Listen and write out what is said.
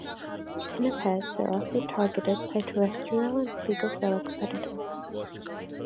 Pinnipeds are also targeted by terrestrial and pagophilic predators.